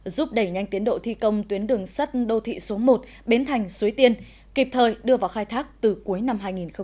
giúp đẩy nhanh tiến độ thi công tuyến đường sắt đô thị số một bến thành suối tiên kịp thời đưa vào khai thác từ cuối năm hai nghìn hai mươi